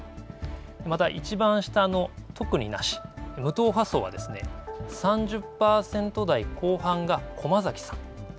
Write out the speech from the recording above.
またいちばん下の特になし、無党派層は、３０％台後半が駒崎さん。